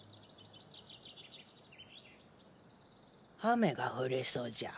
雨が降りそうじゃ。